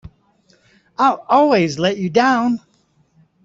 I'll always let you down!